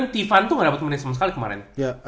tivan tuh gak dapat mendingan